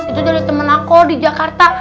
itu dari temen aku di jakarta